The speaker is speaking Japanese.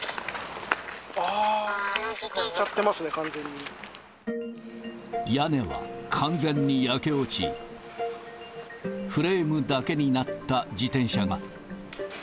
あー、燃えちゃってますね、屋根は完全に焼け落ち、フレームだけになった自転車が。